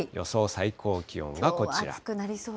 最高気温がこちら。